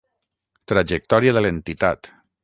Trajectòria de l'entitat.